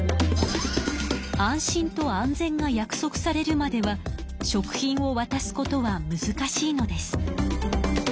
安心と安全が約束されるまでは食品をわたすことはむずかしいのです。